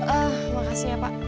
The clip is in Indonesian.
oh makasih ya pak